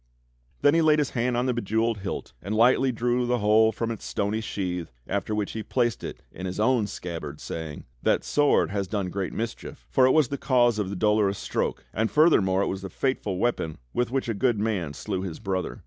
Then he laid his hand on the bejewelled hilt and lightly drew the whole from its stony sheath, after which he placed it in his own scabbard, saying: "That sword has done great mischief, for it was the cause of the Dolorous Stroke, and furthermore it was the fateful weapon with which a good man slew his brother.